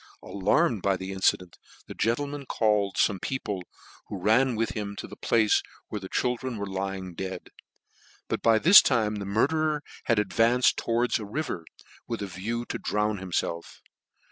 Alarmed by the incident, the gentleman called fome people, who ran with him to the place where the children were lying dead : but by this time the murderer had advanced towards a river, with a view to drown himfelf.